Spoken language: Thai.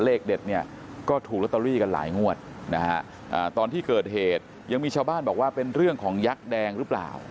เลขเด็ดเนี่ยก็ถูกลอตเตอรี่กันหลายงวดนะฮะตอนที่เกิดเหตุยังมีชาวบ้านบอกว่าเป็นเรื่องของยักษ์แดงหรือเปล่า